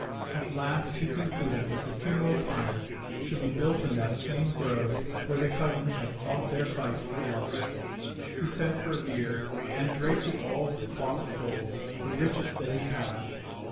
At last he concluded that the funeral pyre should be built in that same grove where the cousins had fought their fight for love. He sent for a bier and draped it all with cloth of gold, the richest that he had.